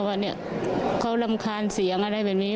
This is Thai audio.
ว่าเนี่ยเขารำคาญเสียงอะไรแบบนี้